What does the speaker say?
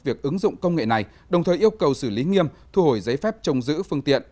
việc ứng dụng công nghệ này đồng thời yêu cầu xử lý nghiêm thu hồi giấy phép trông giữ phương tiện